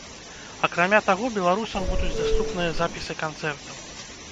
Акрамя таго беларусам будуць даступныя запісы канцэртаў.